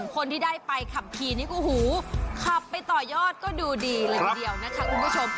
คนที่ได้ไปขับขี่นี่ก็หูขับไปต่อยอดก็ดูดีเลยทีเดียวนะคะคุณผู้ชม